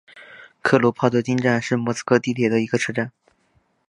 克鲁泡特金站是莫斯科地铁的一个车站。